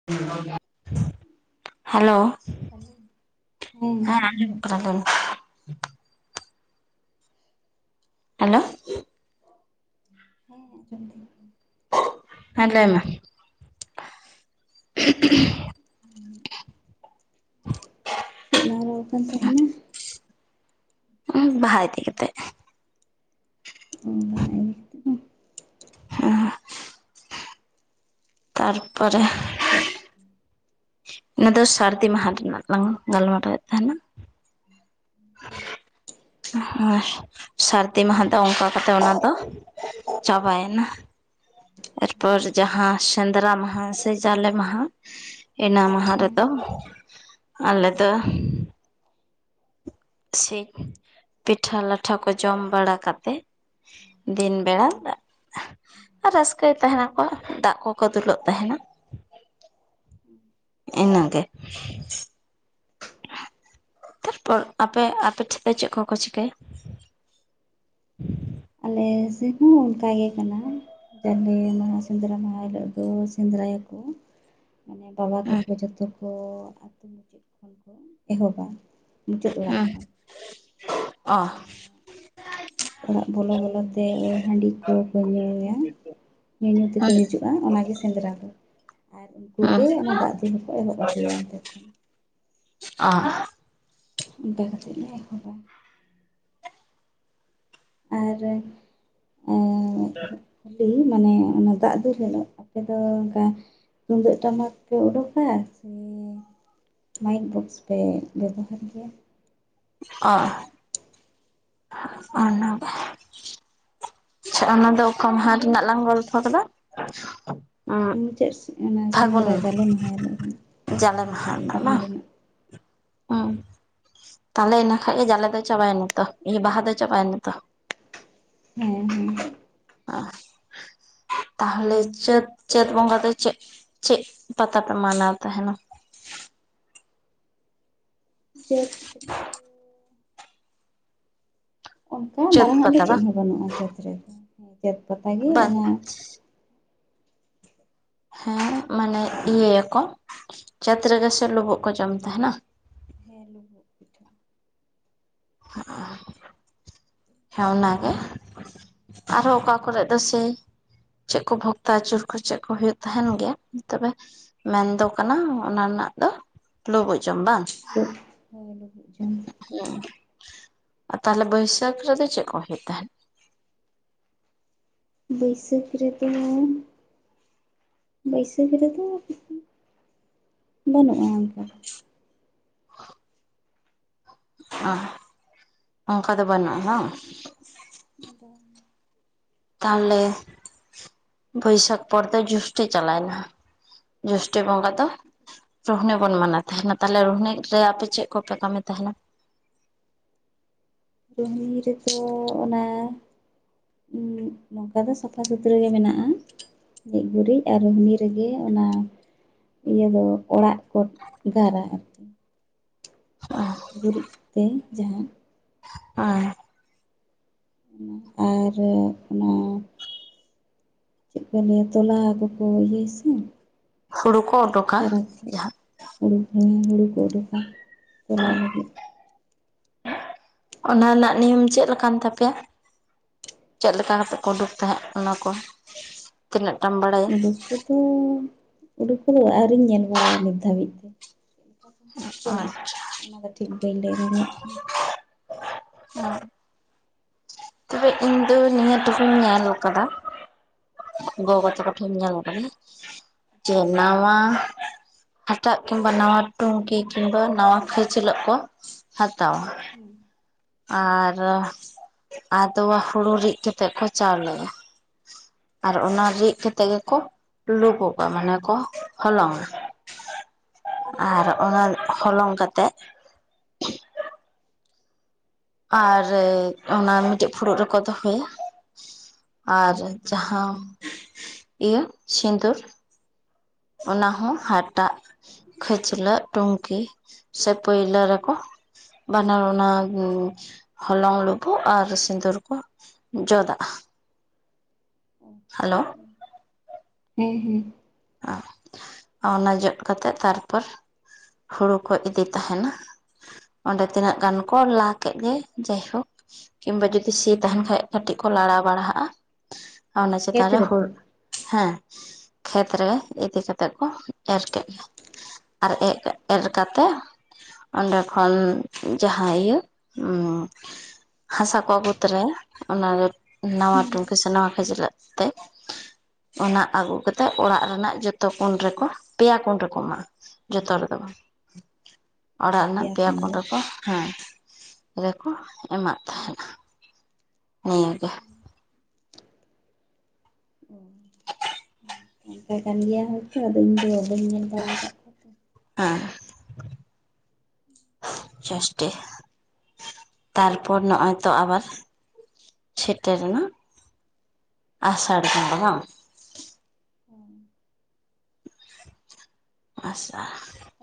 [unintelligible] Hello hello ᱦᱮᱸ [unintelligible] [unintelligible] hello ᱦᱮᱸ [unintelligible] ᱦᱮᱸ ᱞᱟᱹᱭ ᱢᱮ [unintelligible] [inaudible] ᱪᱮᱫ ᱞᱟᱜᱣᱟ ᱟᱠᱟᱱ ᱛᱟᱦᱮᱱᱟ [unintelligible] ᱵᱟᱦᱟᱭ ᱛᱮᱜᱤᱭ ᱛᱟᱦᱮᱜ -ᱟ ᱚ ᱵᱟᱦᱟ ᱤᱫᱤ ᱦᱮᱸ ᱛᱟᱨᱯᱚᱨᱮ ᱠᱟᱛᱮᱫ ᱚᱱᱟ ᱫᱚ ᱥᱟᱹᱨᱫᱤ ᱢᱟᱦᱟ ᱨᱮᱱᱟᱜ ᱞᱟᱝ ᱜᱟᱞᱢᱟᱨᱟᱣᱮᱫ ᱛᱟᱦᱮᱸᱱᱟ ᱦ ᱟᱨ ᱥᱟᱹᱨᱫᱤ ᱢᱟᱦᱟ ᱫᱚ ᱚᱱᱠᱟ ᱠᱟᱛᱮᱫ ᱚᱱᱟ ᱫᱚ ᱪᱟᱵᱟᱭᱮᱱᱟ ᱮᱨᱯᱚᱨ ᱡᱟᱦᱟᱸ ᱥᱮᱸᱫᱽᱨᱟ ᱢᱟᱦᱟ ᱥᱮ ᱡᱟᱞᱮ ᱢᱟᱦᱟ ᱤᱱᱟᱹ ᱢᱟᱦᱟ ᱦᱮᱸ ᱨᱮᱫᱚ ᱟᱞᱮ ᱫᱚ ᱥᱮ ᱯᱤᱴᱷᱟᱹ ᱞᱟᱴᱷᱟ ᱠᱚ ᱡᱚᱢ ᱵᱟᱲᱟ ᱠᱟᱛᱮ ᱫᱤᱱ ᱵᱮᱲᱟ ᱦᱮᱸ ᱫᱟᱜ ᱨᱟᱹᱥᱠᱟᱹᱭ ᱛᱟᱦᱮᱸᱱᱟ ᱠᱚ ᱫᱟᱜ ᱠᱚᱠᱚ ᱫᱩᱞᱚᱜ ᱛᱟᱦᱮᱸᱱᱟ ᱦᱮᱸ ᱤᱱᱟᱹ ᱜᱮ ᱛᱟᱨᱯᱚᱨ ᱟᱯᱮ ᱟᱯᱮ ᱴᱷᱮᱡ ᱫᱚ ᱪᱮᱫ ᱠᱚᱠᱚ ᱪᱤᱠᱟᱹᱭᱟ ᱟᱞᱮ ᱥᱮᱫ ᱦᱚᱸ ᱚᱱᱠᱟ ᱜᱮ ᱠᱟᱱᱟ ᱢᱟᱦᱟ ᱥᱮᱫᱽᱨᱟ ᱢᱟᱦᱟ ᱦᱤᱞᱳᱜ ᱫᱚ ᱥᱮᱫᱽᱨᱟᱭᱟ ᱠᱚ ᱢᱟᱱᱮ ᱵᱟᱵᱟ ᱛᱟᱠᱚ ᱡᱚᱛᱚ ᱠᱚ ᱮᱦᱚᱵᱟ ᱢᱩᱪᱟᱹᱫ ᱚᱲᱟᱜ ᱠᱷᱚᱱ ᱚᱱᱟ ᱚᱲᱟᱜ ᱵᱚᱞᱚ ᱵᱚᱞᱚ ᱛᱮ ᱦᱟᱺᱰᱤ ᱠᱚᱠᱚ ᱧᱩᱭᱟ ᱧᱩᱼᱧᱩ ᱛᱮᱠᱚ ᱦᱤᱡᱩᱜᱼᱟ ᱚᱱᱟᱜᱮ ᱥᱮᱸᱫᱽᱨᱟ ᱫᱚ ᱟᱨ [unintelligible] ᱟ ᱚᱱᱠᱟ ᱠᱟᱛᱮᱫ ᱞᱮ ᱮᱦᱚᱵ-ᱟ ᱟᱨ ᱟᱨ ᱠᱷᱟᱞᱤ ᱢᱟᱱᱮ ᱚᱱᱟ ᱫᱟᱜ [unintelligible] ᱟᱯᱮ ᱫᱚ ᱚᱝᱠᱟ ᱛᱩᱢᱫᱟᱹᱜ ᱴᱟᱢᱟᱠ ᱯᱮ ᱚᱰᱩᱠᱟ ᱥᱮ ᱢᱟᱭᱤᱠ ᱵᱚᱠᱥ ᱯᱮ ᱵᱮᱵᱚᱦᱟᱨ ᱜᱮᱭᱟ [unintelligible] [inaudible] ᱟᱪᱪᱷᱟ ᱚᱱᱟ ᱫᱚ ᱚᱠᱟ ᱢᱟᱦᱟ ᱨᱮᱱᱟᱜ ᱞᱟᱝ ᱜᱚᱞᱯᱷᱚ ᱠᱮᱫᱟ ᱩᱸ ᱢᱩᱪᱟᱹᱫ ᱥᱮᱫ ᱚᱱᱟ ᱯᱷᱟᱹᱜᱩᱱ ᱥᱮᱸᱫᱽᱨᱟ ᱡᱟᱞᱮ ᱢᱟᱦᱟ ᱦᱤᱞᱚᱜ ᱡᱟᱞᱮ ᱦᱳᱭ ᱢᱟᱦᱟ ᱵᱟᱦᱟ ᱵᱟᱝ? ᱨᱮᱱᱟᱜ [unintelligible] ᱛᱟᱦᱞᱮ ᱤᱱᱟ ᱠᱷᱟᱡ ᱜᱮ ᱡᱟᱞᱮ ᱫᱚ ᱪᱟᱵᱟᱭᱮᱱᱟ ᱛᱚ ᱤᱭᱟᱹ ᱵᱟᱦᱟ ᱫᱚ ᱪᱟᱵᱟᱭᱮᱱᱟ ᱛᱚ ᱦᱮᱸ ᱦᱮᱸ ᱚ ᱛᱟᱦᱚᱞᱮ ᱪᱟᱹᱛ ᱪᱟᱹᱛ ᱵᱚᱸᱜᱟ ᱫᱚ ᱪᱮᱫ ᱪᱮᱫ ᱯᱟᱛᱟ ᱯᱮ ᱢᱟᱱᱟᱣ ᱛᱟᱦᱮᱸᱱᱟ ᱪᱮᱫ ᱚᱱᱠᱟ ᱪᱟᱹᱛ ᱢᱟᱨᱟᱝᱟᱜ ᱫᱚ ᱯᱟᱛᱟ ᱪᱮᱫ ᱵᱟᱝ? ᱦᱚᱸ ᱵᱟᱹᱱᱩᱜ-ᱟ ᱪᱟᱹᱛᱛ ᱨᱮᱫᱚ ᱪᱟᱹᱛ ᱯᱟᱛᱟ ᱜᱮ ᱵᱟᱝ ᱚᱱᱟ ᱦᱮᱸ ᱢᱟᱱᱮ ᱤᱭᱟᱹᱭᱟᱠᱚ ᱪᱟᱹᱛ ᱨᱮ ᱜᱮ ᱥᱮ ᱞᱩᱵᱩᱜ ᱠᱚ ᱡᱚᱢ ᱛᱟᱦᱮᱸᱱᱟ [unintelligible] ᱦᱮᱸ ᱚᱱᱟ ᱜᱮ ᱟᱨ ᱦᱚᱸ ᱚᱠᱟ ᱠᱚᱨᱮ ᱫᱚ ᱥᱮ ᱪᱮᱫ ᱠᱚ ᱵᱷᱚᱠᱛᱟ ᱟᱹᱪᱩᱨ ᱠᱚ ᱪᱮᱫ ᱠᱚ ᱦᱩᱭᱩᱜ ᱛᱟᱦᱮᱸᱱ ᱜᱮᱭᱟ ᱛᱚᱵᱮ ᱢᱮᱱ ᱫᱚ ᱠᱟᱱᱟ ᱚᱱᱟ ᱨᱮᱱᱟᱜ ᱫᱚ ᱞᱩᱵᱩᱜ ᱡᱚᱢ ᱵᱟᱝ [unintelligible] ᱞᱩᱵᱩᱜ ᱡᱚᱢ ᱦᱮᱸ ᱛᱟᱞᱮ ᱵᱟᱹᱭᱥᱟᱹᱠᱷ ᱨᱮᱫᱚ ᱪᱮᱫ ᱠᱚ ᱦᱩᱭᱩᱜ ᱛᱟᱦᱮᱸᱫ ᱵᱟᱹᱭᱥᱟᱹᱠᱷ ᱨᱮᱫᱚ ᱵᱟᱹᱭᱥᱟᱹᱠ ᱨᱮ ᱫᱚ ᱵᱟᱹᱱᱩᱜ-ᱟ ᱚᱱᱠᱟ ᱚ ᱚᱱᱠᱟ ᱫᱚ ᱵᱟᱹᱱᱩᱜ-ᱟ ᱵᱟᱝ ᱵᱟᱝ ᱛᱟᱞᱮ ᱵᱟᱹᱭᱥᱟᱹᱠ ᱯᱚᱨ ᱫᱚ ᱡᱚᱥᱴᱤ ᱪᱟᱞᱟᱣᱮᱱᱟ ᱡᱚᱥᱴᱤ ᱵᱚᱸᱜᱟ ᱫᱚ ᱨᱩᱦᱱᱤ ᱵᱚᱱ ᱢᱟᱱᱟᱣ ᱛᱟᱦᱮᱸᱱᱟ ᱛᱟᱦᱞᱮ ᱨᱩᱦᱱᱤ ᱨᱮ ᱟᱯᱮ ᱪᱮᱫ ᱠᱚᱯᱮ ᱠᱟᱹᱢᱤ ᱛᱟᱦᱮᱸᱱᱟ ᱨᱚᱦᱱᱤ ᱨᱮᱫᱚ ᱚᱱᱟ ᱱᱚᱝᱠᱟ ᱫᱚ ᱥᱟᱯᱷᱟ ᱥᱩᱛᱨᱟᱹ ᱜᱮ ᱢᱮᱱᱟᱜ-ᱟ ᱜᱮᱡ ᱜᱩᱨᱤᱡ ᱟᱨ ᱦᱟᱦᱱᱤ ᱨᱮᱜᱮ ᱚᱱᱟ ᱤᱭᱟᱹ ᱫᱚ ᱚᱲᱟᱜ ᱠᱚ ᱜᱟᱨᱟ ᱟᱨᱠᱤ ᱚ ᱜᱩᱨᱤᱡ ᱛᱮ ᱡᱟᱦᱟᱸ ᱟ ᱚᱱᱟ ᱟᱨ ᱚᱱᱟ ᱪᱮᱫ ᱠᱚ ᱞᱟᱹᱭᱟ ᱛᱚᱞᱟ ᱠᱚᱠᱚ ᱤᱭᱟᱹᱭᱟ ᱥᱮ ᱦᱩᱲᱩ ᱠᱚ ᱫᱚ ᱪᱟᱨᱟ ᱠᱚ ᱦᱩᱲᱩ ᱦᱩᱲᱩ ᱠᱚ ᱩᱰᱩᱠᱟ ᱪᱟᱞᱟᱭ ᱞᱟᱹᱜᱤᱫ ᱟᱱᱦᱟ ᱨᱮᱱᱟᱜ ᱱᱤᱭᱚᱢ ᱪᱮᱫᱞ ᱞᱮᱠᱟᱱ ᱛᱟᱯᱮᱭᱟ ᱪᱮᱫ ᱞᱮᱠᱟ ᱦᱟᱛᱮᱜ ᱠᱚ ᱩᱰᱩᱠ ᱛᱟᱦᱮᱸᱫ ᱚᱱᱟ ᱠᱚ ᱛᱤᱱᱟᱹᱜ ᱴᱟᱢ ᱵᱟᱰᱟᱭ ᱩᱰᱩᱠ ᱠᱚᱫᱚ ᱩᱰᱩᱠ ᱠᱚᱫᱚ ᱟᱹᱣᱨᱤᱧ ᱧᱮᱞ ᱵᱟᱲᱟᱭᱟ ᱱᱤᱛ ᱫᱷᱟᱹᱵᱤᱡ ᱛᱮ ᱟᱨ [unintelligible] ᱚᱱᱟᱫᱚ ᱴᱷᱤᱠ ᱵᱟᱹᱧ ᱞᱟᱹᱭ ᱫᱟᱲᱮᱭᱟᱜ ᱠᱟᱱᱟ ᱛᱚᱵᱮ ᱤᱧ ᱫᱚ ᱱᱤᱭᱟᱹ ᱴᱩᱠᱩᱧ ᱧᱮᱞ ᱠᱟᱫᱟ ᱦᱮᱸ [inaudible] ᱧᱮᱞ ᱠᱟᱫᱟᱧ ᱡᱮ ᱱᱟᱣᱟ ᱦᱟᱴᱟᱜ ᱠᱤᱝᱵᱟ ᱱᱟᱣᱟ ᱴᱩᱝᱠᱤ ᱠᱤᱢᱵᱟ ᱱᱟᱣᱟ ᱠᱷᱟᱹᱪᱞᱟᱹᱜ ᱠᱚ ᱦᱟᱛᱟᱣᱟ ᱦᱩᱸ ᱟᱨ ᱟᱫᱚᱣᱟ ᱦᱩᱲᱩ ᱨᱤᱫ ᱠᱟᱛᱮᱜ ᱠᱚ ᱪᱟᱣᱞᱮᱭᱟ ᱟᱨ ᱚᱱᱟ ᱨᱤᱫ ᱠᱟᱛᱮ ᱜᱮᱠᱚ ᱞᱩᱯ ᱠᱚ ᱢᱟᱱᱮ ᱟᱠ ᱦᱚᱞᱚᱝᱼᱟ ᱟᱨ ᱚᱱᱟ ᱦᱚᱞᱚᱝ ᱠᱟᱛᱮᱫ ᱟᱨ ᱚᱱᱟ ᱢᱤᱫᱴᱮᱱ ᱯᱷᱩᱲᱩᱜ ᱨᱮᱠᱚ ᱫᱚᱦᱚᱭᱟ ᱟᱨ ᱡᱟᱦᱟᱸ ᱤᱭᱟᱹ ᱥᱤᱸᱫᱩᱨ ᱚᱱᱟ ᱦᱚᱸ ᱦᱟᱴᱟᱜ ᱠᱷᱟᱹᱪᱞᱟᱹᱜ ᱴᱩᱱᱠᱤ ᱥᱮ ᱯᱟᱹᱭᱞᱟᱹ ᱨᱮᱠᱚ ᱵᱟᱱᱟᱨ ᱚᱱᱟ ᱦᱚᱞᱚᱝ ᱞᱩᱵᱩᱜ ᱟᱨ ᱥᱤᱸᱫᱩᱨ ᱠᱚ ᱡᱚᱫᱼᱟ ᱦᱮᱞᱳ ᱦᱮᱸ ᱦᱮᱸ ᱟᱣᱱᱟ ᱡᱚᱫ ᱠᱟᱛᱮᱫ ᱛᱟᱨᱯᱚᱨ ᱦᱩᱲᱩ ᱠᱚ ᱤᱫᱤ ᱛᱟᱦᱮᱱᱟ ᱟᱫᱚ ᱛᱤᱱᱟᱹᱜ ᱜᱟᱱ ᱠᱚ ᱞᱟᱠᱷ ᱪᱮᱫ ᱜᱮ ᱡᱟᱭᱦᱳᱠ ᱠᱤᱢᱵᱟ ᱡᱩᱫᱤ ᱥᱤ ᱛᱟᱦᱮᱱ ᱠᱷᱟᱡ ᱠᱟᱹᱴᱤᱡ ᱠᱚ ᱞᱟᱲᱟᱣ ᱵᱟᱲᱟᱦᱟᱜᱼᱟ ᱚᱱᱟ ᱠᱷᱮᱛ ᱪᱮᱛᱟᱱ ᱨᱮ ᱨᱮᱛᱚ ᱦᱮᱸ ᱠᱷᱮᱛ ᱨᱮ ᱤᱫᱤ ᱠᱟᱛᱮ ᱠᱚ ᱮᱨ ᱠᱮᱫ ᱜᱮ ᱟᱨ ᱮ ᱮᱨ ᱠᱟᱛᱮ ᱚᱱᱰᱮ ᱠᱷᱚᱱ ᱡᱟᱦᱟᱸ ᱤᱭᱟᱹ ᱩ ᱦᱟᱥᱟ ᱠᱚ ᱟᱜᱩ ᱛᱚᱨᱟᱭᱟ ᱚᱱᱟᱨᱮ ᱱᱟᱣᱟ ᱴᱩᱩᱱᱠᱤ ᱥᱮ ᱱᱟᱣᱟ ᱠᱷᱟᱹᱪᱞᱟᱜ ᱛᱮ ᱚᱱᱟ ᱟᱹᱜᱩ ᱠᱟᱛᱮ ᱚᱲᱟᱜ ᱨᱮᱱᱟᱜ ᱡᱚᱛᱚ ᱠᱩᱱ ᱨᱮᱠᱚ ᱯᱮᱭᱟ ᱠᱩᱱ ᱨᱮᱠᱚ ᱮᱢᱟᱜ-ᱟ ᱡᱚᱛᱚ ᱨᱮᱫᱚ ᱵᱟᱝ ᱚᱲᱟᱜ ᱨᱮᱱᱟᱜ ᱯᱮᱭᱟ ᱠᱷᱚᱱ ᱠᱩᱱ ᱫᱚ ᱨᱮᱠᱚ ᱦᱮᱸ ᱨᱮᱠᱚ ᱮᱢᱟᱜ ᱛᱟᱦᱮᱱᱟ ᱱᱤᱭᱟᱹᱜᱮ ᱚᱱᱠᱟ ᱠᱟᱱ ᱜᱮᱭᱟ ᱦᱚᱭᱛᱳ ᱟᱫᱚ ᱤᱧ ᱫᱚ ᱵᱟᱹᱧ ᱧᱮᱞ ᱵᱟᱲᱟ ᱟᱠᱟᱫ ᱠᱚᱣᱟ ᱛᱚ [unintelligible] ᱛᱟᱨᱯᱚᱨ ᱱᱚᱜᱼᱚᱭ ᱛᱚ ᱟᱵᱟᱨ ᱥᱮᱴᱮᱨᱮᱱᱟ ᱟᱥᱟᱲ ᱠᱚᱸᱜᱟ ᱵᱟᱝ ᱟᱥᱟ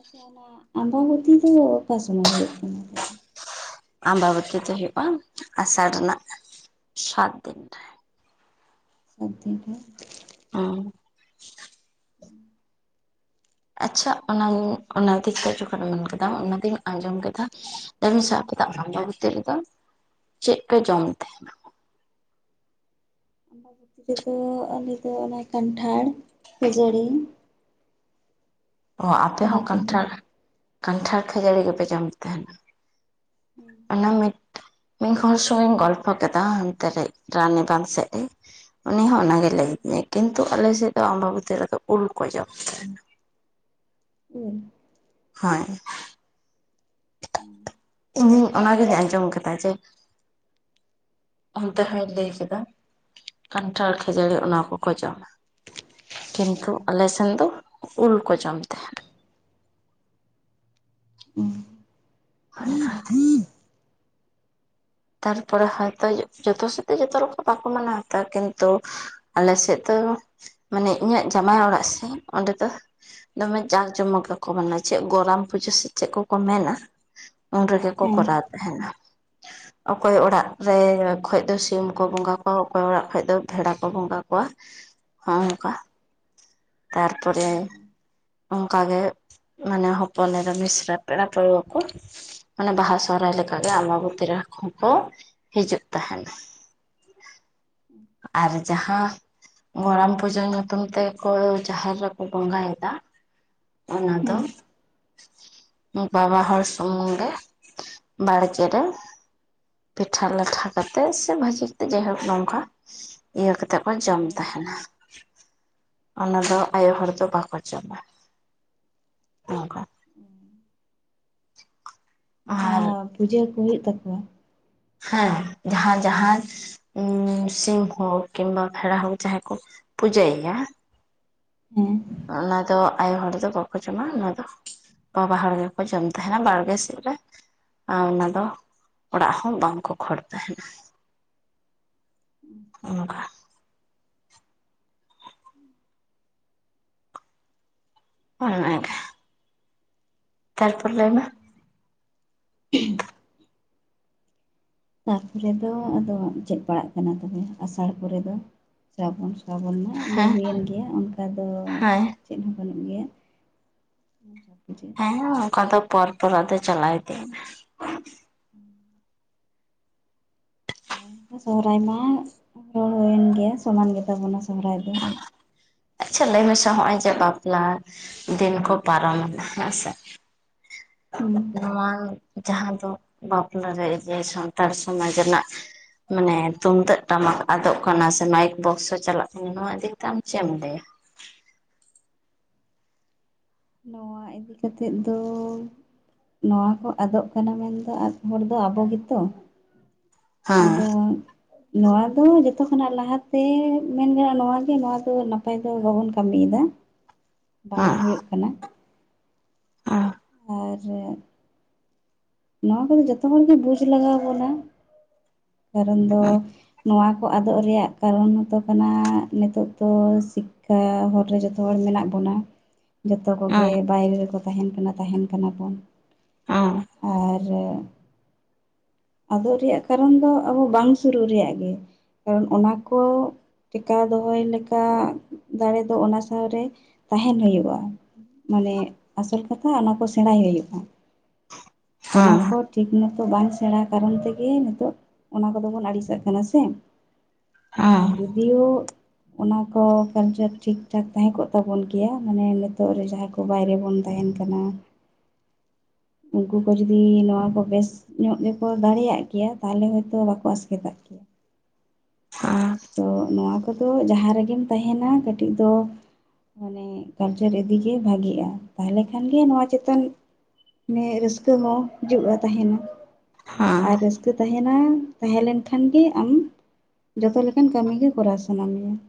ᱟᱪᱪᱷᱟ ᱚᱱᱟ ᱟᱢᱵᱟᱵᱚᱛᱤ ᱫᱚ ᱚᱠᱟ ᱥᱚᱢᱚᱭ ᱦᱩᱭᱩᱜ ᱠᱟᱱᱟ ᱟᱢᱵᱟᱵᱟᱚᱛᱤ ᱫᱚ ᱦᱩᱭᱩᱜᱼᱟ ᱟᱥᱟᱲ ᱨᱮᱱᱟᱜ ᱥᱟᱛ ᱫᱤᱱ ᱨᱮ [unintelligible] ᱚ ᱟᱪᱪᱷᱟ ᱚᱱᱟ ᱚᱱᱟ ᱫᱤᱠ ᱛᱮ ᱡᱚᱠᱷᱚᱱᱮ ᱢᱮᱱ ᱠᱮᱫᱟᱢ ᱚᱱᱟᱛᱤᱧ ᱟᱸᱡᱚᱢ ᱠᱮᱫᱟ [unintelligible] ᱟᱢᱵᱟᱵᱚᱛᱤ ᱨᱮᱫᱚ ᱪᱮᱫ ᱯᱮ ᱡᱚᱢ ᱛᱟᱦᱮᱱᱟ ᱟᱢᱵᱟᱵᱚᱛᱤ ᱨᱮᱫᱚ ᱟᱞᱮᱫᱚ ᱚᱱᱟ ᱠᱟᱱᱴᱷᱟᱲ ᱠᱷᱟᱹᱡᱟᱹᱲᱤ ᱚ ᱟᱯᱮ ᱚᱱᱟ ᱦᱚᱸ ᱠᱚᱜᱮ ᱠᱟᱱᱴᱷᱟᱲ ᱠᱟᱱᱴᱷᱟᱲ ᱠᱷᱟᱹᱡᱟᱹᱲᱤ ᱜᱮᱯᱮ ᱡᱚᱢᱮᱫ ᱛᱟᱦᱮᱱᱟ ᱚᱱᱟ ᱢᱤᱫ ᱦᱚᱲ ᱥᱚᱸᱜᱮᱧ ᱜᱚᱞᱯᱷᱚ ᱠᱮᱫᱟ ᱦᱟᱱᱛᱮ ᱨᱮ ᱨᱟᱱᱤ ᱵᱟᱸᱫᱷ ᱥᱮᱫ ᱨᱮ ᱩᱱᱤ ᱦᱚᱸ ᱚᱱᱟᱜᱮ ᱜᱮ ᱞᱟᱹᱭ ᱟᱫᱤᱧᱟ ᱠᱤᱱᱛᱩ ᱟᱞᱮ ᱥᱮᱫ ᱫᱚ ᱟᱢᱵᱟᱵᱤᱛᱤ ᱨᱮᱫᱚ ᱩᱞ ᱠᱚ ᱡᱚᱢᱮᱫ ᱛᱟᱦᱮᱱᱟ [unintelligible] ᱦᱳᱭ [inaudible] ᱤᱧ ᱚᱱᱟᱜᱤᱧ ᱟᱸᱡᱚᱢ ᱠᱮᱫᱟ ᱡᱮ ᱚᱱᱛᱮ ᱦᱳᱭ [unintelligible] ᱠᱟᱱᱴᱷᱟᱲ ᱠᱷᱟᱹᱡᱟᱹᱲᱤ ᱚᱱᱟ ᱠᱚᱠᱚ ᱡᱚᱢᱟ ᱠᱤᱱᱛᱩ ᱟᱞᱮ ᱥᱮᱱ ᱫᱚ ᱩᱞ ᱠᱚ ᱡᱚᱢ ᱛᱟᱦᱮᱸᱱᱟ ᱩ [inaudible] ᱛᱟᱨᱯᱚᱨᱮ ᱦᱚᱭᱛᱳ ᱡᱚᱛᱚ ᱥᱟᱫ ᱫᱚ ᱡᱚᱛᱚ ᱨᱚᱠᱚᱢ ᱵᱟᱠᱚ ᱢᱟᱱᱟᱣ ᱟᱛᱚ ᱠᱤᱱᱛᱩ ᱟᱞᱮ ᱥᱮᱫ ᱫᱚ ᱢᱟᱱᱮ ᱤᱧᱟᱜ ᱡᱟᱢᱟᱭ ᱚᱲᱟᱜ ᱥᱮᱫ ᱚᱸᱰᱮ ᱫᱚ ᱫᱚᱢᱮ ᱡᱟᱠ ᱡᱚᱢᱚᱠ ᱜᱮᱠᱚ ᱢᱟᱱᱟᱣᱟ ᱪᱮᱫ ᱜᱚᱨᱟᱢ ᱯᱩᱡᱟᱹ ᱥᱮ ᱪᱮᱫ ᱠᱚᱠᱚ ᱢᱮᱱᱟ ᱩᱱ ᱨᱮᱜᱮ ᱠᱚ ᱦᱮᱸ ᱠᱚᱨᱟᱣ ᱛᱟᱦᱮᱱᱟ ᱚᱠᱚᱭ ᱚᱲᱟᱜ ᱨᱮ ᱠᱷᱚᱡ ᱫᱚ ᱥᱤᱢ ᱠᱚ ᱵᱚᱸᱜᱟ ᱠᱚᱣᱟ ᱚᱠᱚᱭ ᱚᱲᱟᱜ ᱠᱷᱚᱡ ᱫᱚ ᱵᱷᱮᱲᱟ ᱠᱚ ᱵᱚᱸᱜᱟ ᱠᱚᱣᱟ ᱱᱚᱜᱼᱚᱭ ᱱᱝᱠᱟ ᱛᱟᱨᱯᱚᱨᱮ ᱚᱱᱠᱟᱜᱮ ᱢᱟᱱᱮ ᱦᱚᱯᱚᱱ ᱮᱨᱟ ᱢᱤᱥᱨᱟ ᱯᱮᱲᱟ ᱯᱟᱹᱲᱦᱟᱹ ᱠᱚ, ᱚᱱᱮ ᱵᱟᱦᱟ ᱥᱚᱦᱨᱟᱭ ᱞᱮᱠᱟᱜᱮ, ᱟᱢᱵᱟᱵᱚᱛᱤ ᱨᱮᱦᱚᱸᱠᱚ ᱦᱤᱡᱩᱜ ᱛᱟᱦᱮᱱᱟ ᱾ [inaudible] ᱟᱨ ᱡᱟᱸᱦᱟᱸ ᱜᱚᱨᱟᱢ ᱯᱩᱡᱟᱹ ᱧᱩᱛᱩᱢ ᱛᱮ ᱠᱚ ᱡᱟᱦᱮᱨ ᱨᱮᱠᱚ ᱵᱚᱸᱜᱟᱭᱮᱫᱟ ᱾ ᱚᱱᱟ ᱫᱚ ᱦᱮᱸ ᱵᱟᱵᱟᱦᱚᱲ ᱥᱩᱢᱩᱝᱜᱮ ᱵᱟᱲᱜᱮᱨᱮ ᱯᱤᱴᱷᱟ ᱞᱟᱴᱷᱟ ᱠᱟᱛᱮᱜ, ᱥᱮ ᱵᱷᱟᱹᱡᱤ ᱠᱟᱛᱮᱫ ᱡᱟᱭᱦᱳᱠ ᱱᱚᱝᱠᱟ ᱾ ᱤᱭᱟᱹ ᱠᱟᱛᱮ ᱠᱚ ᱡᱚᱢ ᱚ ᱛᱟᱦᱮᱱᱟ ᱾ ᱚᱱᱟ ᱫᱚ ᱟᱭᱳ ᱦᱚᱲ ᱫᱚ ᱵᱟᱠᱚ ᱡᱚᱢᱟ ᱾ ᱚᱝᱠᱟ [inaudible] [unintelligible] ᱡᱟᱸᱦᱟᱸ ᱯᱩᱡᱟᱹ ᱠᱩ ᱦᱩᱭᱩᱜ ᱛᱟᱠᱩᱣᱟ ᱾ ᱦᱮᱸ ᱡᱟᱸᱦᱟᱸ ᱡᱟᱸᱦᱟᱸ ᱩ ᱥᱤᱢ ᱦᱳᱠ ᱠᱤᱝᱵᱟ ᱵᱷᱮᱲᱟ, ᱦᱳᱠ ᱡᱟᱸᱦᱟᱸ ᱠᱚ ᱯᱩᱡᱟᱹᱭ ᱮᱭᱟ ᱾ ᱦᱮᱸ ᱚᱱᱟ ᱫᱚ ᱟᱭᱳ ᱦᱚᱲ ᱫᱚ ᱵᱟᱠᱚ ᱡᱚᱢᱟ, ᱚᱱᱟ ᱫᱚ ᱵᱟᱵᱟ ᱦᱚᱲ ᱜᱮᱠᱚ ᱡᱚᱢ ᱛᱟᱦᱮᱱᱟ ᱵᱟᱲᱜᱮ ᱥᱮᱜ ᱨᱮ ᱾ ᱟᱨ ᱚᱱᱟ ᱫᱚ ᱚᱲᱟᱜ ᱦᱚᱸ ᱵᱟᱝ ᱠᱚ, ᱠᱷᱟᱹᱲ ᱛᱟᱦᱮᱱᱟ ᱾ ᱦᱚᱜᱼᱚ ᱱᱚᱝᱠᱟ ᱾ ᱚᱱᱟ ᱚᱱᱠᱟ ᱛᱟᱨᱯᱚᱨ ᱞᱟᱹᱭᱢᱮ [unintelligible] ᱛᱟᱨᱯᱚᱨᱮ ᱫᱚ ᱟᱫᱚ ᱪᱮᱫ ᱯᱟᱲᱟᱜ ᱠᱟᱱᱟ, ᱛᱚᱵᱮ ᱟᱥᱟᱲ ᱯᱚᱨᱮ ᱫᱚ? ᱥᱟᱵᱚᱱᱻ ᱥᱟᱵᱚᱱ ᱢᱟ ᱞᱟᱹᱭ ᱦᱮᱸ ᱦᱩᱭᱮᱱ ᱜᱮᱭᱟ ᱚᱱᱠᱟ ᱫᱚ ᱦᱮᱸ ᱪᱮᱫ ᱦᱚᱸ ᱵᱟᱹᱱᱩᱜ ᱜᱮᱭᱟ ᱾ ᱦᱮᱸ ᱚᱱᱠᱟ ᱫᱚ ᱯᱚᱨ ᱯᱚᱨ ᱟᱫᱚ ᱪᱟᱞᱟᱣ ᱤᱫᱤᱭᱱᱟ ᱾ [inaudible] ᱟᱨ ᱥᱚᱨᱦᱟᱭ ᱢᱟ ᱨᱚᱲ ᱦᱩᱭᱮᱱ ᱜᱮᱭᱟ ᱾ ᱥᱚᱢᱟᱱ ᱜᱮᱛᱟ ᱵᱚᱱᱟ ᱥᱚᱦᱚᱨᱟᱭ ᱫᱚ ᱾ ᱟᱪᱪᱷᱟ ᱞᱟᱹᱭ ᱢᱮᱥᱮ ᱦᱚᱸᱜᱼᱚᱭ ᱡᱮ, ᱵᱟᱯᱞᱟ ᱫᱤᱱ ᱠᱚ ᱯᱟᱨᱚᱢᱮᱱᱟ ᱦᱮᱸ ᱥᱮ ᱾ ᱦᱩᱸ ᱱᱚᱣᱟ ᱡᱟᱸᱦᱟᱸ ᱫᱚ ᱵᱟᱯᱞᱟᱨᱮ ᱡᱮ ᱥᱟᱱᱛᱟᱲ ᱥᱚᱢᱟᱡᱽ ᱨᱮᱱᱟᱜ ᱢᱟᱱᱮ ᱛᱩᱢᱫᱟᱜ ᱴᱟᱢᱟᱠ ᱟᱫᱚᱜ ᱠᱟᱱᱟ, ᱥᱮ ᱢᱟᱭᱤᱠ ᱵᱚᱠᱥ ᱦᱚᱸ ᱪᱟᱞᱟᱜ ᱠᱟᱱᱟ ᱾ ᱱᱚᱣᱟ ᱤᱫᱤᱠᱟᱛᱮ ᱟᱢ ᱪᱮᱫ ᱮᱢ ᱞᱟᱹᱭᱟ? ᱱᱚᱣᱟ ᱤᱫᱤ ᱠᱟᱛᱮᱫ ᱫᱚ ᱱᱚᱣᱟ ᱠᱚ ᱟᱫᱚᱜ ᱠᱟᱱᱟ ᱢᱮᱱᱫᱚ, ᱟᱫᱽ ᱦᱚᱲ ᱫᱚ ᱟᱵᱚ ᱜᱮᱛᱚ ᱾ ᱦᱮᱸ ᱦᱮᱸ ᱟᱫᱚ ᱱᱚᱣᱟ ᱫᱚ ᱡᱚᱛᱚ ᱠᱷᱚᱱᱟᱜ ᱞᱟᱦᱟᱛᱮ ᱢᱮᱱ ᱜᱟᱱᱚᱜᱼᱟ, ᱱᱚᱣᱟ ᱜᱮ ᱱᱚᱣᱟ ᱫᱚ ᱱᱟᱯᱟᱭ ᱫᱚ ᱵᱟᱵᱚᱱ ᱠᱟᱹᱢᱤᱭᱫᱟ ᱾ ᱦᱮᱸ ᱵᱟᱝ ᱦᱮᱸ ᱦᱩᱭᱩᱜ ᱠᱟᱱᱟ ᱟᱨ ᱱᱚᱣᱟ ᱠᱚᱫᱚ ᱡᱚᱛᱚ ᱦᱚᱲᱜᱮ ᱵᱩᱡᱽ ᱞᱟᱜᱟᱣ ᱵᱚᱱᱟ ᱾ ᱠᱟᱨᱚᱱ ᱫᱚ ᱱᱚᱣᱟ ᱠᱚ ᱟᱫᱚᱜ ᱨᱮᱭᱟᱜ ᱠᱟᱨᱚᱱ ᱦᱚᱛᱚ ᱠᱟᱱᱟ, ᱱᱤᱛᱚᱜ ᱫᱚ ᱥᱤᱠᱱᱟᱹᱛ ᱛᱚ ᱦᱚᱨ ᱨᱮ ᱡᱚᱛᱚ ᱦᱚᱲ ᱢᱮᱱᱟᱜ ᱵᱚᱱᱟ ᱾ ᱡᱚᱛᱚ ᱠᱚᱜᱮ ᱵᱟᱭᱨᱮ ᱨᱮᱠᱚ ᱛᱟᱦᱮᱱ ᱠᱟᱱᱟ, ᱛᱟᱦᱮᱱ ᱠᱟᱱᱟ ᱵᱚᱱ ᱾ ᱟᱨ ᱟᱫᱚᱜ ᱨᱮᱭᱟᱜ ᱠᱟᱨᱚᱱ ᱫᱚ, ᱟᱵᱚ ᱵᱟᱝ ᱥᱩᱨᱩᱜ ᱨᱮᱭᱟᱜ ᱜᱮ ᱠᱟᱨᱚᱱ ᱚᱱᱟ ᱠᱚ ᱴᱮᱠᱟᱣ ᱫᱚᱦᱚᱭ ᱞᱮᱠᱟ ᱫᱟᱲᱮ ᱫᱚ ᱚᱱᱟ ᱥᱟᱶᱨᱮ ᱛᱟᱦᱮᱸᱱ ᱦᱳᱭᱩᱳᱜᱼᱟ ᱾ ᱢᱟᱱᱮ ᱟᱥᱚᱞ ᱠᱟᱛᱷᱟ ᱚᱱᱟ ᱠᱚ ᱥᱮᱬᱟᱭ ᱦᱳᱭᱳᱜᱼᱟ ᱾ ᱚᱱᱟ ᱦᱮᱸ ᱠᱚ ᱴᱷᱤᱠ ᱢᱚᱛᱚ ᱵᱟᱝ ᱥᱮᱬᱟ ᱠᱟᱨᱚᱱ ᱛᱮᱜᱮ ᱱᱤᱛᱚᱜ ᱚᱱᱟ ᱠᱚᱫᱚ ᱵᱚᱱ ᱟᱹᱲᱤᱥᱟᱜ ᱠᱟᱱᱟ ᱥᱮ ᱾ ᱟᱻᱸ ᱡᱚᱫᱤᱭᱳ ᱚᱱᱟ ᱠᱚ ᱠᱟᱞᱪᱟᱨ ᱴᱷᱤᱠ ᱴᱷᱟᱠ ᱛᱟᱦᱮᱸ ᱠᱚᱜ ᱛᱟᱵᱚᱱ ᱜᱮᱭᱟ ᱢᱟᱱᱮ ᱱᱤᱛᱚᱜ ᱨᱮ ᱡᱟᱦᱟᱸᱭ ᱠᱚ ᱵᱟᱭᱨᱮ ᱵᱚᱱ ᱛᱟᱦᱮᱸᱱ ᱠᱟᱱᱟ ᱾ ᱩᱱᱠᱩ ᱠᱚ ᱡᱚᱫᱤ ᱱᱚᱣᱟ ᱠᱚ ᱵᱮᱥ ᱧᱚᱜ ᱜᱮᱠᱚ ᱫᱟᱲᱮᱭᱟᱜ ᱠᱮᱭᱟ, ᱛᱟᱦᱚᱞᱮ ᱦᱚᱭᱛᱳ ᱵᱟᱠᱚ ᱟᱥᱠᱮᱛᱟᱜ ᱠᱮᱭᱟ ᱾ ᱟᱨ ᱛᱚ ᱱᱚᱣᱟ ᱠᱚᱫᱚ ᱡᱟᱦᱟᱸ ᱨᱮᱜᱮᱢ ᱛᱟᱦᱮᱸᱱᱟ ᱠᱟᱹᱴᱤᱡ ᱫᱚ ᱢᱟᱱᱮ ᱠᱟᱞᱪᱟᱨ ᱤᱫᱤᱜᱮ ᱵᱷᱟᱹᱜᱤᱜᱼᱟ ᱛᱟᱦᱚᱞᱮ ᱠᱷᱟᱱ ᱜᱮ ᱱᱚᱣᱟ ᱪᱮᱛᱟᱱ ᱢᱟᱱᱮ ᱨᱟᱹᱥᱠᱟᱹ ᱦᱚᱸ ᱦᱤᱡᱩᱜᱼᱟ ᱛᱟᱸᱦᱮᱸᱱᱟ᱾ ᱦᱮᱸ ᱦᱮᱸ ᱟᱨ ᱨᱟᱹᱥᱠᱟᱹ ᱛᱟᱦᱮᱸᱱᱟ ᱾ ᱛᱟᱦᱮᱸᱞᱱᱠᱷᱟᱱ ᱜᱮ ᱟᱢ ᱡᱚᱛᱚ ᱞᱮᱠᱟ ᱞᱮᱠᱟᱱ ᱠᱟᱹᱢᱤ ᱜᱮ ᱠᱚᱨᱟᱣ ᱥᱟᱱᱟ ᱢᱮᱭᱟ ᱾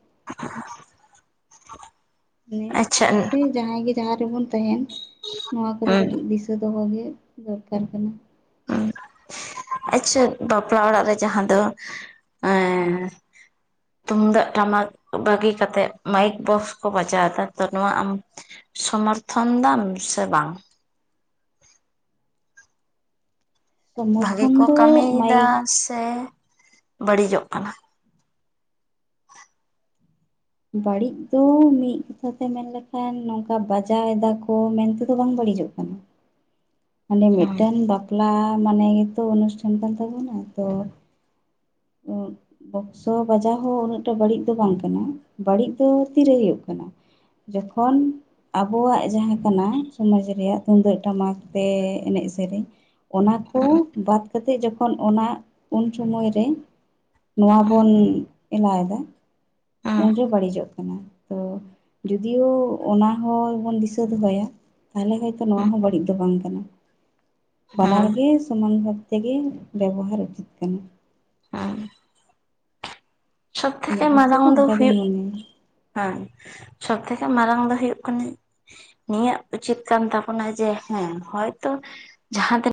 ᱦᱮᱸᱻ ᱟᱪᱪᱷᱟ ᱦᱩᱸ ᱚᱱᱟᱛᱮ ᱡᱟᱦᱟᱸᱭ ᱜᱮ ᱡᱟᱦᱟᱸ ᱨᱮᱵᱚᱱ ᱛᱟᱦᱮᱸᱱ, ᱱᱚᱣᱟ ᱠᱚᱫᱚ ᱠᱟᱹᱴᱤᱡ ᱦᱩᱸ ᱫᱤᱥᱟᱹ ᱫᱤᱥᱟᱹ ᱫᱚᱦᱚ ᱜᱮ ᱫᱚᱨᱠᱟᱨ ᱠᱟᱱᱟ ᱾ ᱟᱪᱪᱷᱟ ᱵᱟᱯᱞᱟ ᱚᱲᱟᱜ ᱨᱮ ᱡᱟᱦᱟᱸ ᱫᱚ ᱮᱸᱻ᱾ ᱛᱩᱢᱫᱟᱜ ᱴᱟᱢᱟᱠ ᱵᱟᱹᱜᱤ ᱠᱟᱛᱮᱫ, ᱢᱟᱭᱤᱠ ᱵᱚᱠᱥ ᱠᱚ ᱵᱟᱡᱟᱣ ᱫᱟ ᱛᱚ ᱱᱚᱣᱟ ᱟᱢ ᱥᱚᱢᱚᱨᱛᱷᱚᱱ ᱫᱟᱢ ᱥᱮ ᱵᱟᱝ? ᱵᱷᱟᱜᱮ ᱥᱚᱢᱚᱨᱛᱷᱚᱱ ᱠᱚ ᱫᱚ ᱠᱟᱹᱢᱤᱭᱮᱫᱟ ᱢᱟᱭᱤᱠ ᱥᱮ ᱵᱟᱹᱲᱤᱡᱚᱜ ᱠᱟᱱᱟ? [unintelligible] ᱵᱟᱹᱲᱤᱡ ᱫᱚ ᱢᱤᱫ ᱞᱮᱠᱟ ᱛᱮ ᱢᱮᱱᱠᱷᱟᱱ ᱱᱚᱝᱠᱟ ᱵᱟᱡᱟᱣ ᱮᱫᱟᱠᱚ, ᱢᱮᱱᱛᱮ ᱫᱚ ᱵᱟᱝ ᱵᱟᱹᱲᱤᱡᱚᱜ ᱠᱟᱱᱟ ᱾ ᱢᱟᱱᱮ ᱦᱩᱸ ᱢᱤᱫᱴᱟᱱ ᱵᱟᱯᱞᱟ ᱢᱟᱱᱮ ᱜᱮᱛᱚ ᱚᱱᱩᱥᱴᱷᱟᱱ ᱠᱟᱱ ᱛᱟᱵᱚᱱᱟ ᱛᱚ ᱾ ᱩᱸᱻ ᱵᱚᱠᱥᱚ ᱵᱟᱡᱟᱣ ᱦᱚᱸ ᱩᱱᱟᱹᱜᱴᱟ ᱵᱟᱹᱲᱤᱡ ᱫᱚ ᱵᱟᱝ ᱠᱟᱱᱟ, ᱵᱟᱹᱲᱤᱡ ᱫᱚ ᱛᱤᱨᱮ ᱦᱩᱭᱩᱜ ᱠᱟᱱᱟ ᱡᱚᱠᱷᱚᱱ ᱟᱵᱚᱣᱟᱜ ᱡᱟᱦᱟᱸ ᱠᱟᱱᱟ᱾ ᱥᱚᱢᱟᱡᱽ ᱨᱮᱭᱟᱜ ᱛᱩᱢᱫᱟᱹᱜ ᱴᱟᱢᱟᱠ ᱛᱮ ᱮᱱᱮᱡ ᱥᱮᱨᱮᱧ ᱚᱱᱟ ᱠᱚ ᱦᱩᱸ ᱵᱟᱫ ᱠᱟᱛᱮ ᱡᱚᱠᱷᱚᱱ ᱛᱚᱠᱷᱚᱱ ᱚᱱᱟ ᱩᱱ ᱥᱚᱢᱚᱭ ᱨᱮ ᱱᱚᱣᱟ ᱦᱩᱸ ᱵᱚᱱ ᱮᱞᱟᱣ ᱮᱫᱟ ᱾ ᱦᱩᱸ ᱩᱱᱨᱮ ᱵᱟᱹᱲᱤᱡᱚᱜ ᱠᱟᱱᱟ ᱾ ᱛᱚ ᱡᱩᱫᱤᱭᱳ ᱚᱱᱟ ᱦᱚᱸ ᱵᱚᱱ ᱫᱤᱥᱟᱹ ᱫᱚᱦᱚᱭᱟ ᱛᱟᱦᱚᱞᱮ ᱦᱚᱭᱛᱚ ᱱᱚᱣᱟ ᱦᱩᱸ ᱦᱚᱸ ᱵᱟᱹᱲᱤᱡ᱾ ᱫᱚ ᱵᱟᱝ ᱠᱟᱱᱟ, ᱵᱟᱱᱟᱨ ᱦᱩᱸ ᱜᱮ ᱥᱚᱢᱟᱱ ᱵᱷᱟᱵ ᱛᱮᱜᱮ ᱵᱮᱵᱚᱦᱟᱨ ᱩᱪᱤᱛ ᱠᱟᱱᱟ ᱾ ᱦᱮᱸ ᱥᱚᱵ ᱛᱷᱮᱠᱮ ᱤᱧᱟᱹᱜ ᱵᱩᱡᱽ ᱢᱟᱨᱟᱝ ᱛᱮᱫᱚ ᱫᱚ ᱚᱱᱠᱟᱜᱤᱧ ᱦᱩᱭᱩᱜ ᱢᱚᱱᱮᱭᱟ ᱦᱮᱸ ᱥᱚᱵ ᱛᱷᱮᱠᱮ ᱢᱟᱨᱟᱝ ᱫᱚ ᱦᱩᱭᱩᱜ ᱠᱟᱱᱟ ᱱᱤᱭᱟᱹ ᱩᱪᱤᱛ ᱠᱟᱱ ᱛᱟᱵᱚᱱᱟ ᱡᱮ ᱦᱮᱸ ᱦᱚᱭᱛᱚ ᱡᱟᱦᱟᱸ ᱛᱤᱱᱟᱹᱜ